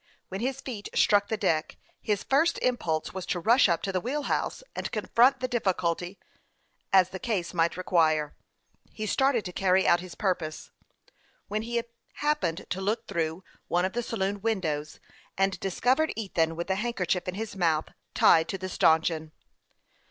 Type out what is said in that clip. When his feet struck the deck, his first impulse was to rush up to the wheel house, and confront the diffi culty as the case might require. He started to carry out his purpose, when he happened to look through one of the saloon windows, and discovered Ethan, 288 HASTE AND WASTE, OB with the handkerchief in his mouth, tied to the stanchion.